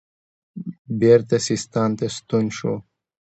بیرته سیستان ته ستون شو.